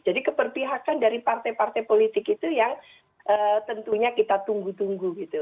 jadi keperpihakan dari partai partai politik itu yang tentunya kita tunggu tunggu gitu